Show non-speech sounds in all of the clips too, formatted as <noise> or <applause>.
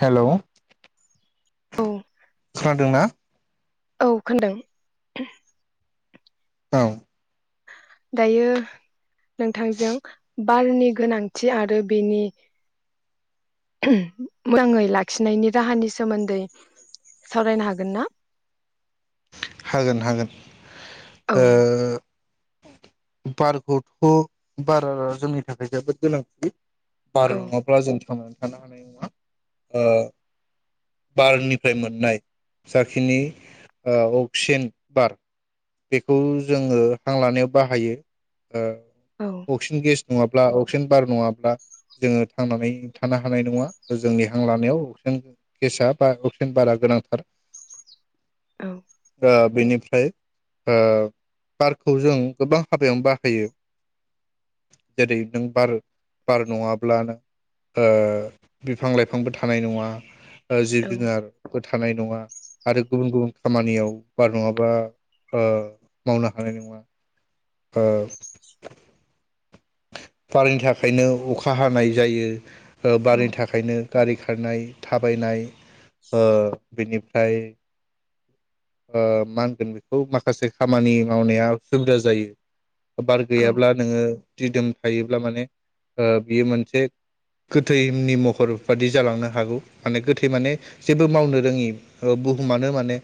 हेल' औ खोनादों ना? औ खोनादों? औ दायो नोंथांजों बारनि गोनांथि आरो बेनि उदाङै लाखिनायनि राहानि सोमोन्दै सावरायनो हागोन ना? हागोन हागोन औ ओ बारखौथ' बारा जोंनि थाखाय जोबोद गोनांथि। बार औ नङाब्ला जों थां थानो हानाय नङा। ओ बारनिफ्राय मोननाय जाखिनि अक्सिजेन बार बेखौ जोङो हां लानायाव बाहायो। औ ओ अक्सिजेन गेस नङाब्ला अक्सिजेन बार नङाब्ला जोङो थांनानै थानो हानाय नङा जोंनि हां लानायाव अक्सिजेन गेसा बा अक्सिजेन बारा गोनांथार। औ ओ बेनि फ्राय ओ बारखौ जों गोबां हाबायावनो बाहायो जेरै नों बार बार नङाब्लानो ओ बिफां लाइफांबो थानाय नङा। ओ जिब औ जुनार थानाय नङा आरो गुबुन गुबुन खामानियाव बार नङाबा ओ मावनो हानाय नङा। ओ बारनि थाखायनो अखा हानाय जायो। औ बारनि थाखायनो गारि खारनाय थाबायनाय ओ बिनि <unintelligible> ओ मा होनगोन बेखौ माखासे खामानि मावनाया सुबिदा जायो। बार औ गैयाब्ला नोङो दिदोम थायोब्ला माने ओ बियो मोनसे गोथैनि महर बादि जालांनो हागौ माने गोथै माने जेबो मावनो रोङि बुहुमानो माने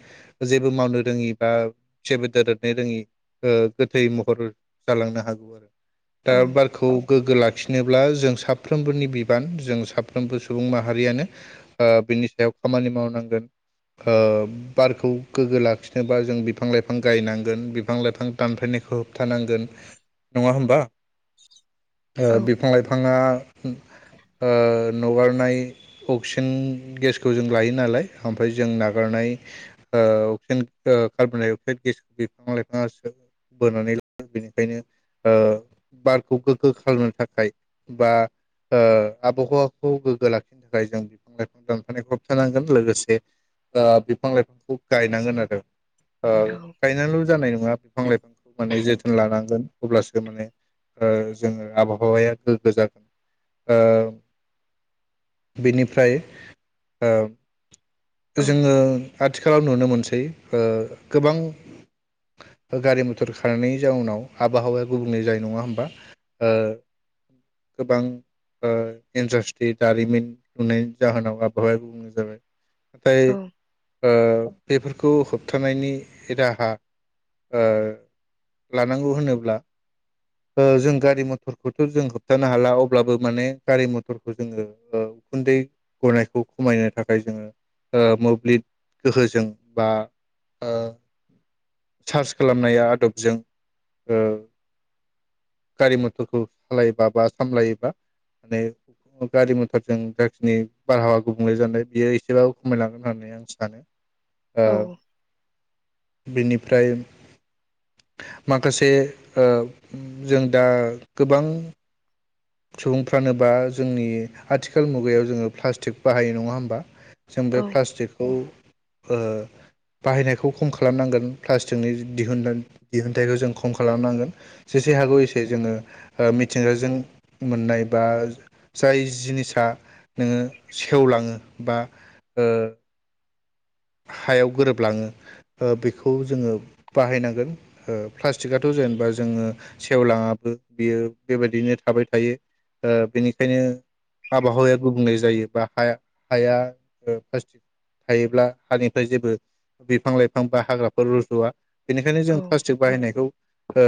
जेबो मावनो रोङि बा जेबो दोरोदनो रोङि ओ गोथै महर जालांनो हागौ आरो दा औ बारखौ गोग्गो ला खिनोब्ला जों साफ्रोमबोनि बिबान जों साफ्रोमबो सुबुं माहारियानो ओ बिनि सायाव खामानि मावनांगोन ओ बारखौ गोग्गो लाखिनोबा जों बिफां लाइफां गायनांगोन बिफां लाइफां दानफैनायखौ हो थानांगोन। नङा होमबा? ओ बिफां लाइफाङा ओ नगारनाय अक्सिजेन गेसखौ जों लायो नालाय ओमफाय जों नागारनाय अक्सिजेन कार्बन डाइ अक्साइड गेसखौ बिफां लाइफाङा बोनानै ला बेनिखायनो ओ बारखौ गोग्गो खालामनो थाखाय बा ओ आबहावाखौ गोग्गो लाखिनो थाखाय जों बिफां लाइफां दानफानायऱौ होबथानांगोन लोगोसे ओ बिफां लाइफांखौ गायनांगोन आरो। ओ गायनाल' जानाय नङा बिफां लाइफांखौ माने जोथोन लानां गोन अब्लासो माने ओ जोङो आबहावाया गोग्गो जागोन ओ बेनिफ्राय ओ जोङो आथिखालाव नुनो मोनसै ओ गोबां गारि मथर खारनायनि जाउनाव आबहावाया गुबुंले जायो नङा होमबा। ओ गोबां ओ इन्डास्ट्रि दारिमिन लुनायनि जाहोनाव आबहावाया गुबुंले जाबाय। नाथाय औ ओ बेफोरखौ होबथानायनि राहा ओ लानांगौ होनोब्ला जों गारिमथरखौथ जों होबथानो हाला अब्लाबो माने गारि मथरखौ जोङो ओ उखुन्दै गनायखौ खमायनो थाखाय जोङो ओ मोब्लिब गोहोजों बा ओ सार्च खालामनाय आदबजों ओ गारि मथरखौ सालायोबा बा सामलायोबा माने गारि मथरजों जाखिनि बारहावा गुबुंले जानाय बियो एसेबाबो खमायलांगोन होननानै आं सानो औ बिनिफ्राय माखासे ओ जों दा गोबां सुबुंफ्रानोबा जोंनि आथिखाल मुगायाव जोङो प्लास्टिक बाहायो नङा होमबा जों बे प्लास्टिकखौ ओ बाहायनायखौ खम खालामनांगोन प्लास्टिकनि दिहुन दिहुनथाइखौ जों खम खालामनांगोन जेसे हागौ एसे जोङो ओ मिथिंगाजों मोननाय बा जाय जिनिसा नोङो सेवलाङो बा ओ हायाव गोरोबलाङो ओ बेखौ जोङो बाहायनांगोन ओ प्लास्टिकआथ जेनेबा जोङो सेवलाङाबो बियो बेबायदिनो थाबाय थायो ओ बेनिखायनो आबहावाया गुबुंले जायो बा हाया हाया प्लास्टिक थायोब्ला हानिफ्राय जेबो बिफां लाइफां बा हाग्राफोर रजआ बेनिखायनो जों प्लास्टिक बाहायनायखौ औ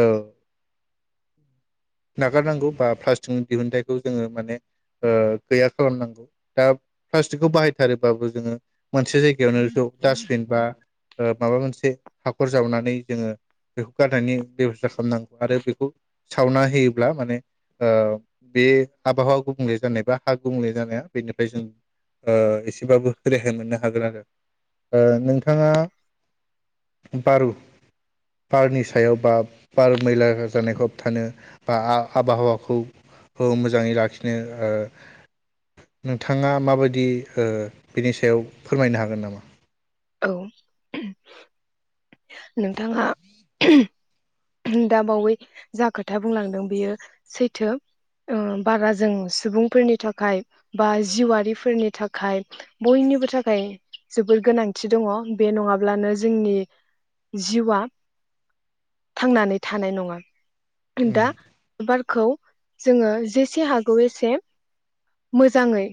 नागारनांगौ बा प्लास्टिकनि दिहुनथाइखौ जोङो माने ओ गैया खालामनांगौ दा प्लास्टिकखौ बाहायथारोबाबो जोङो मोनसे जायगायावनो डासटबिन बा माबा मोनसे हाखर जावनानै जोङो बेखौ गारनायनि बेबस्था खालामनांगौ आरो बेखौ सावना होयोब्ला माने ओ बे आबहावा गुबुंले जानाय बा हा गुबुंले जानाया बेनिफ्राय जों ओ एसेबाबो रेहाय मोननो हागोन आरो ओ नोंथाङा बारु बारनि सायाव बा बार मैला जानायखौ होबथानो बा आबहावाखौ मोजाङै लाखिनो ओ नोंथाङा माबायदि ओ बिनि सायाव फोरमायनो हागोन नामा? औ नोंथाङा दा बावै जा खोथा बुंलांदों बेयो सैथो ओ बारा जों सुबुंफोरनि थाखाय बा जिउआरारिफोरनि थाखाय बयनिबो थाखाय जोबोर गोनां थिदङ बे नङाब्लानो जोंनि जिउआ थांनानै थानाय नङा उम दा बारखौ जोङो जेसे हागौ एसे मोजाङै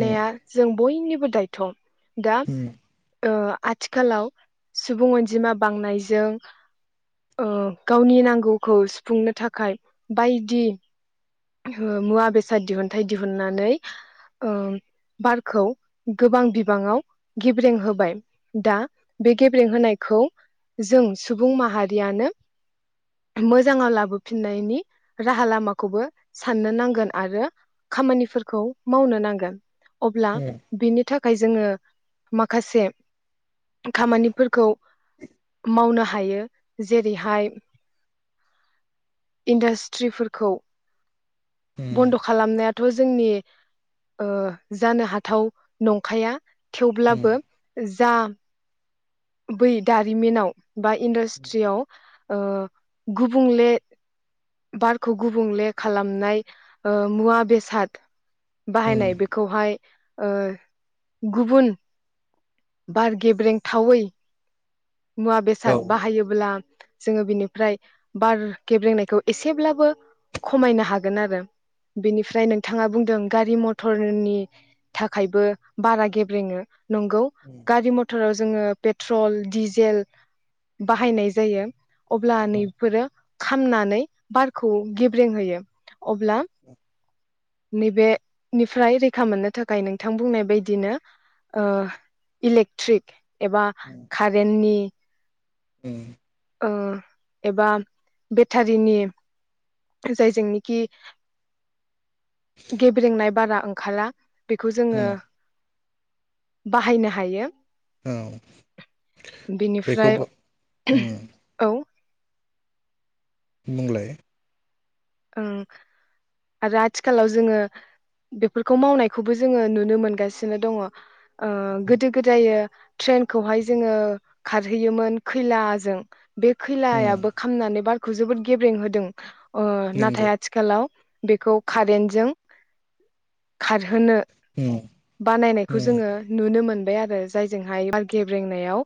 उम जों बयनिबो दायथ' दा उम ओ आथिखालाव सुबुं अनजिमा बांनायजों ओ गावनि नांगौखौ सुफुंनो थाखाय बायदि ओ मुवा बेसाद दिहुनथायाइ दिहुननानै ओ बारखौ गोबां बिबाङाव गेब्रें होबाय दा बे गेब्रें होनायखौ जों सुबुं माहारियानो मोजाङाव लाबोफिननायनि राहा लामाखौबो साननो नांगोन आरो खामानिफोरखौ मावनो नांगोन। अब्ला बिनि थाखाय खाय जोङो माखासे खामानिफोरखौ मावनो हायो जेरैहाय इन्डास्ट्रिफोरखौ उम बन्द खालामनायाथ' जोंनि ओ जानो हाथाव नंखाया उम थेवब्लाबो जा बै दारिमिनाव बा इडास्ट्रियाव ओ गुबुंले बारखौ गुबुंले खालामनाय ओ मुवा बेसाद उम बाहायनाय बेखौहाय ओ गुबुन बार गेब्रें थावै मुवा औ बेसाद बाहायोब्ला जोङो बिनिफ्राय बार गेब्रेंनायखौ एसेब्लाबो खमायनो हागोन आरो बेनिफ्राय नोंथाङा बुंदों गारि मटरनि थाखायबो बारा गेब्रेङो नंगौ गारि मटराव जोङो पेट्रल डिजे ल बाहायनाय जायो अब्ला नैफोरो खामनानै बारखौ गेब्रेंहोयो अब्ला नैबेनिफ्राय रैखा मोननो थाखाय नोंथां बुंनाय बायदिनो ओ इलेक्ट्रिक एबा खार नि उम ओ एबा बेटारिनि जायजोंनिखि गेब्रंनाय बारा ओंखारा बेखौ जोङो उम बाहायनो हायो। औ बेनिफ्राय बेखौबो ओं औ बुंलाय ओं आरो आथिखालाव जोङो बेफोरखौ मावनायखौबो जोङो नुनो मोनगासिनो दङ। ओ गोदो गोदायो ट्रेनखौहाय जोङो खारहैयोमोन खैलाजों बे उम खैलायाबो खामनानै बार खौ जोबोद गेब्रें होदों ओ नाथाय नंगौ आथिखालाव बेखौ कारेन्टजों खारहोनो उम बानायनायखौ उम जोङो नुनो मोन बाय आरो जायजोंहाय बार गेब्रेंनायाव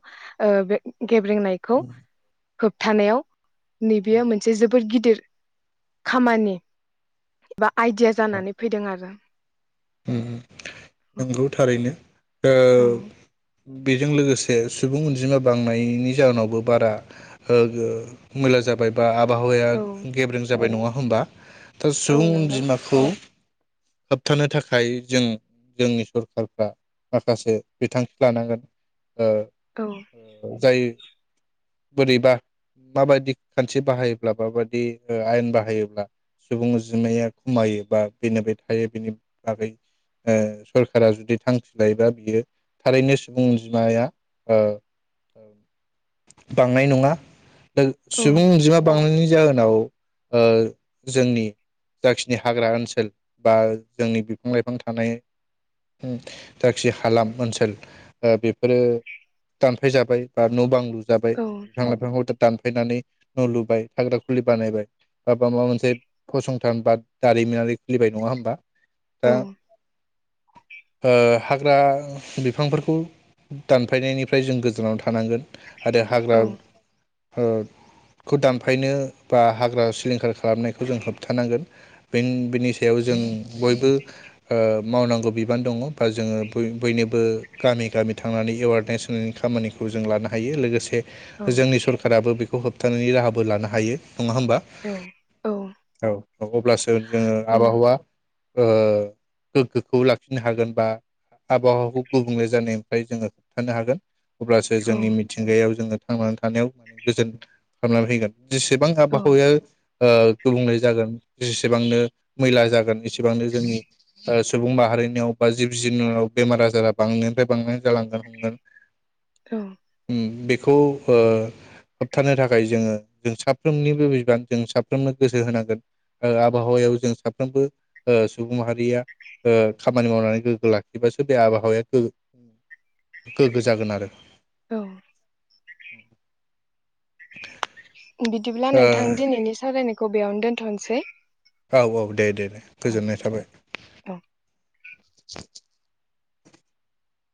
ओ बे <unintelligible> गेब्रेंनायखौ उम होबथानायाव नैबेयो मोनसे जोबोर गिदिर खामानि बा आयडिया जानानै फैदों आरो। ओम नंगौ थारैनो औ बेजों लोगोसे सुबुं अनजिमा बांनायनि जाहोनावबो बारा ओ मैला जाबाय बा आब आबहावाया औ गेब्रें जाबाय नंङा होमबा दा औ सुंबुं नंगौ अनजिमाखौ होबथानो थाखाय दायो जों जोंनि सरखारफ्रा माखासे बिथांखि लानांगोन औ ओ जायो बोरैबा माबायदि खान्थि बाहायोब्ला माबायदि आयेन बाहायोब्ला सुबुं अजिमाया खमायो बा बेनो बे थायो बेनि बागै ओ सरकारा जुदि थांखि लायोबा बियो थारैनो सुबुं अनजिमाया बांनाय नङा। औ सुबं अनजिमा बांनायनि जाहोनाव ओ जोंनि जाखिनि हाग्रा ओनसोल बा जोंनि बिफां-लाइफां थानाय दाखि हालाम ओनसोल बेफोरो दानफाय जाबाय बा न' बां लु जाबाय औ बिफां-लाइफां दानफायनानै न' लुबाय थाग्रा खुलि बानायबाय बा माबा मोनसे फसंथ भुटान बा दारिमिनारि खुलिबाय नङा होमबा? औ दा ओ हाग्रा बिफांफोरखौ दानफायनायनिफ्राय जों गोजानाव थानांगोन। आरो हाग्रा ओ खौ दानफायनो बा हाग्रा सिलिंखार खालामनायखौ जों होबथानांगोन बेन बेनि सायाव जों बयबो ओ मावनांगौ बिबान दङ। बा जोङो बय-बयनोबो गामि गामि थांनानै एवारनेस हो खामानिखौ जों लानो हायो लोगोसे औ जोंनि सरखाराबो बेखौ होबथानायनि राहा बो लानो हायो। नङा होमबा औ औ औ। औ अब्लास गो जोङो उम, आबाहुवा ओ गोगो खौ लाखिनो हागोन बा आबहुखौ गुबुंले जानायनिफ्राय जोङो होबथानो हागोन। अब्लासो औ जोंनि मिथिंगायाव जोङो‌। थांनानै थानायाव गोजोन खालामना फैगोन। जेसेबां औ आबाहुया ओ गुबुंले जागोन जेसेबांनो मैला जागोन एसे सेबांनो जोंनि सुबुं माहारिनियाव बा जिब जुनयाव बेमार आजारा बांनायनिफ्राय बां <unintelligible> बेखौ होबथानो थाखाय जोङो जों साफ्रोमनिबो बिबान जों साफ्रोमनो गोसो होनांगोन आरो आबहावायाव जों साफ्रोमबो। ओ सुबुं माहारिया ओ खामानि मावनानै गोग्गो लाखिबासो बे आबहावाया गो गोग्गो जागोन आरो। <inaudible> औ <inaudible> बिदिब्ला ओ नोंथां दिनैनि सावरायनायखौ। खौ बेयावनो दोनथनोसै। औ औ दे दे। दे औ गोजोननाय थाबाय। औ <inaudible>